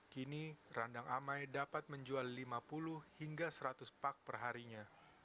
kini randang amai dapat menjual lima puluh seratus pak per harinya